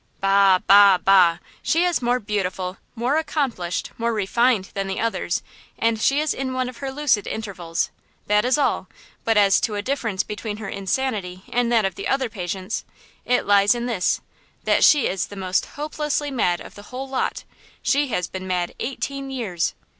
"Bah! bah! bah! She is more beautiful, more accomplished, more refined than the others, and she is in one of her lucid intervals! That is all; but as to a difference between her insanity and that of the other patients, it lies in this, that she is the most hopelessly mad of the whole lot! She has been mad eighteen years!"